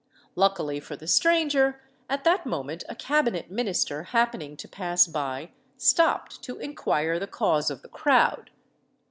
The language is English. Luckily for the stranger, at that moment a cabinet minister happening to pass by, stopped to inquire the cause of the crowd.